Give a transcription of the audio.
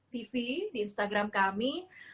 tv di instagram kami